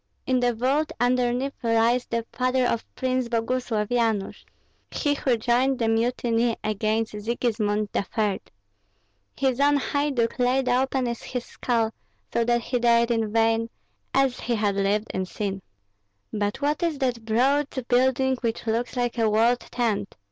In the vault underneath lies the father of Prince Boguslav, Yanush, he who joined the mutiny against Sigismund III. His own haiduk laid open his skull, so that he died in vain, as he had lived in sin." "But what is that broad building which looks like a walled tent?"